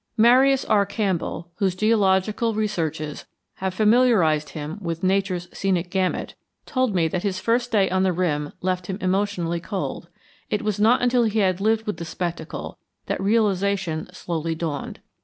Marius R. Campbell, whose geological researches have familiarized him with Nature's scenic gamut, told me that his first day on the rim left him emotionally cold; it was not until he had lived with the spectacle that realization slowly dawned.